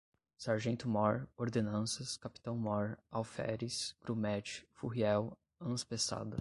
Sargento-Mor, Ordenanças, Capitão-Mor, Alferes, Grumete, Furriel, Anspeçada